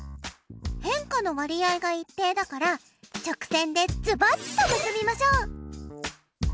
変化の割合が一定だから直線でズバッと結びましょう。